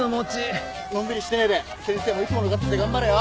のんびりしてねえで先生もいつものガッツで頑張れよ。